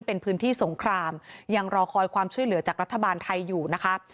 เป็นพื้นที่สงครามยังรอคอยความช่วยเหลือจากรัฐบาลไทยอยู่นะคะ